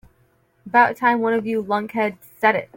About time one of you lunkheads said it.